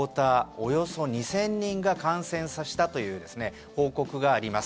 およそ２０００人が感染させたという報告があります。